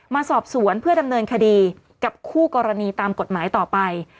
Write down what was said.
มาสอบสวนเพื่อดำเนินคดีกับคู่กรณีตามกฎหมายต่อไป